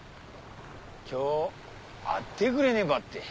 今日会ってくれねがって。